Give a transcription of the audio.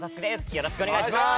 よろしくお願いします。